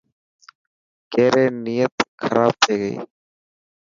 ڪيري نيت کراب ٿي هي.